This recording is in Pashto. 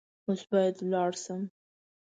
اوس باید ولاړ شم .